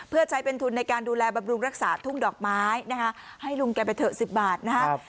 เพื่อใช้เป็นทุนในการดูแลบำรุงรักษาทุ่งดอกไม้นะคะให้ลุงแกไปเถอะ๑๐บาทนะครับ